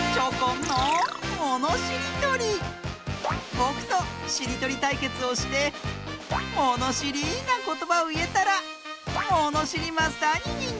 ぼくとしりとりたいけつをしてものしりなことばをいえたらものしりマスターににんてい！